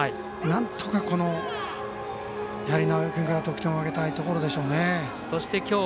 なんとか、直江君から得点を挙げたいところでしょう。